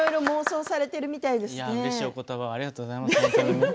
うれしいおことばありがとうございます。